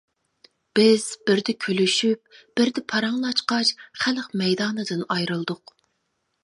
بىز بىردە كۈلۈشۈپ، بىردە پاراڭلاشقاچ خەلق مەيدانىدىن ئايرىلدۇق.